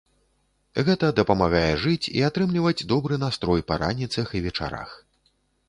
Гэта дапамагае жыць і атрымліваць добры настрой па раніцах і вечарах.